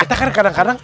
kita kan kadang kadang